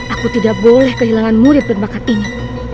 aku tidak boleh kehilangan murid berbakat ini